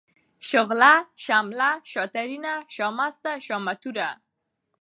شغله ، شمله ، شاترينه ، شامسته ، شامتوره ،